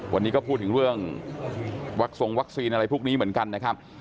วันนี้ก็พูดถึงเรื่องวักทรงวัคซีนอะไรพวกนี้เหมือนกันนะครับ